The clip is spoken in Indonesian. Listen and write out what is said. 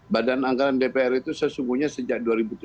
badan anggaran dpr itu sesungguhnya sejak dua ribu tujuh belas